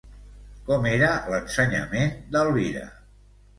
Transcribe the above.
Com era l'ensenyament d'Elvira?